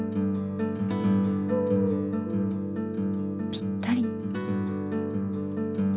ぴったり。